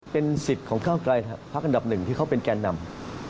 เป็นสิทธิ์ของก้าวไกลพักอันดับหนึ่งที่เขาเป็นแก่นำ